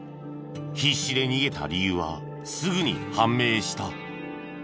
必死で逃げた理由はすぐに判明した。